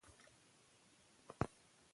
دا د دواړو حکومتونو مسؤلیت دی.